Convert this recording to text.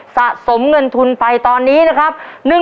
สะสมเงินทุนไปตอนนี้นะครับ